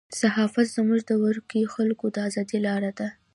صحافت زموږ د ورکو خلکو د ازادۍ لاره ده.